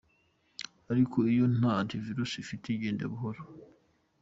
Ariko iyo nta antivirus ufite igenda buhoro, .